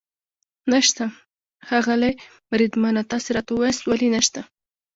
نشته؟ ښاغلی بریدمنه، تاسې راته ووایاست ولې نشته.